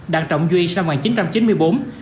đặng trọng duy sinh năm một nghìn chín trăm chín mươi bốn